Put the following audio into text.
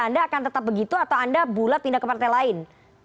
anda akan tetap begitu atau anda bulat pindah ke partai lain